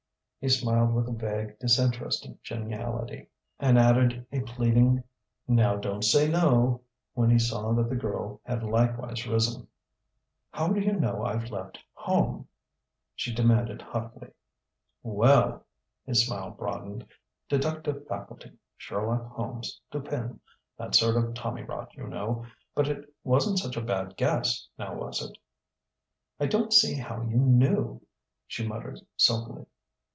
He smiled with a vague, disinterested geniality, and added a pleading "Now don't say no!" when he saw that the girl had likewise risen. "How do you know I've left home?" she demanded hotly. "Well" his smile broadened "deductive faculty Sherlock Holmes Dupin that sort of tommyrot, you know. But it wasn't such a bad guess now was it?" "I don't see how you knew," she muttered sulkily.